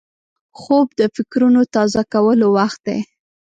خوب د فکرونو تازه کولو وخت دی